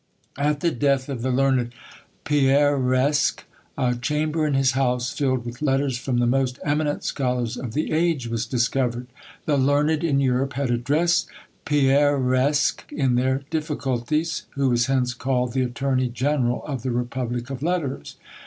At the death of the learned Peiresc, a chamber in his house filled with letters from the most eminent scholars of the age was discovered: the learned in Europe had addressed Peiresc in their difficulties, who was hence called "the attorney general of the republic of letters."